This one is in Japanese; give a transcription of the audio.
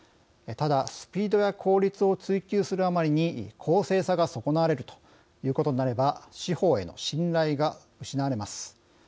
ただ、スピードや効率を追求するあまりに公正さが損なわれるということになれば司法への信頼が失われます。